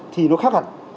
thì nó khác hẳn